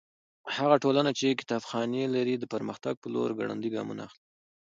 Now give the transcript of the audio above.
هغه ټولنه چې کتابخانې لري د پرمختګ په لور ګړندي ګامونه اخلي.